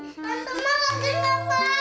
tangkap pindah pos